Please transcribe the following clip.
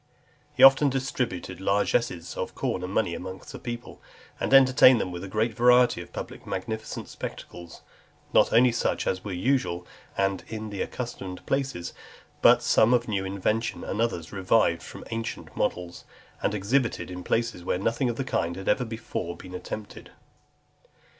XXI. He often distributed largesses of corn and money among the people, and entertained them with a great variety of public magnificent spectacles, not only such as were usual, and in the accustomed places, but some of new invention, and others revived from ancient models, and exhibited in places where nothing of the kind had been ever before attempted.